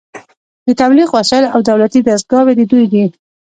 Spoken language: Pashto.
د تبلیغ وسایل او دولتي دستګاوې د دوی دي